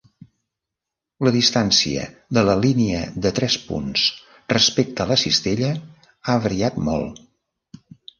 La distància de la línia de tres punts respecte a la cistella ha variat molt.